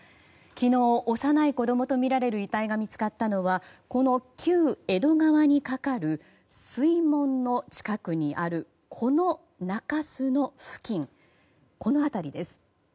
昨日、幼い子供とみられる遺体が見つかったのはこの旧江戸川に架かる水門の近くにあるこの中州の付近です。